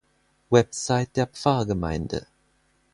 Website der Pfarrgemeinde